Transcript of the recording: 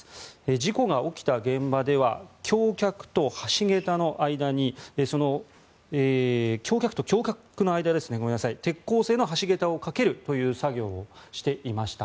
事故が起きた現場では橋脚と橋脚の間に鉄鋼製の橋桁を架けるという作業をしていました。